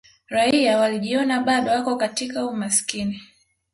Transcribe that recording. raia walijiona bado wako katika umasikini